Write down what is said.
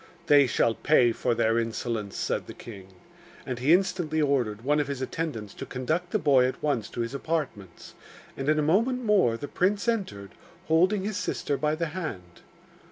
'They shall pay for their insolence,' said the king. And he instantly ordered one of his attendants to conduct the boy at once to his apartments; and in a moment more the prince entered, holding his sister by the hand.